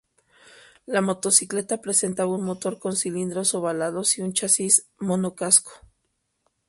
La motocicleta presentaba un motor con cilindros ovalados y un chasis monocasco.